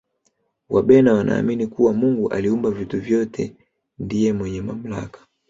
wabena wanaamini kuwa mungu aliumba vitu vyote ndiye mwenye mamlaka